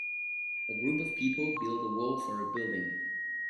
A group of people build a wall for a building